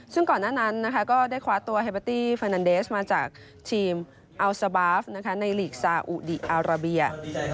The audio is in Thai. ซึ่งก่อนหน้านั้นก็ได้คว้าตัวเฮเบอร์ตี้เฟอร์นันเดสมาจากทีมอัลซาบาฟในหลีกซาอุดีอาราเบีย